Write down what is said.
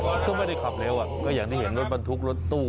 ก็ไม่ได้ขับเร็วอ่ะก็อย่างที่เห็นรถบรรทุกรถตู้